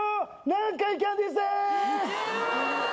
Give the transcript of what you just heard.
南海キャンディーズでーす！